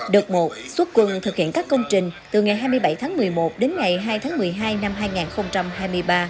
đợt một xuất quân thực hiện các công trình từ ngày hai mươi bảy tháng một mươi một đến ngày hai tháng một mươi hai năm hai nghìn hai mươi ba